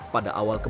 pada awal kembali